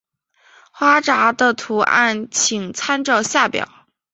花札的图案请参照下表。